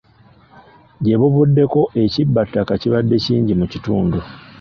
Ggye buvuddeko ekibbattaka kibadde kingi mu kitundu.